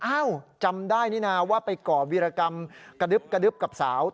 อ้าวจำได้นี่นะว่าไปก่อวิรกรรมกระดึ๊บกระดึ๊บกับสาว